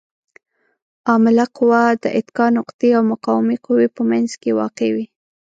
عامله قوه د اتکا نقطې او مقاومې قوې په منځ کې واقع وي.